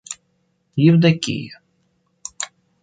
Евдокия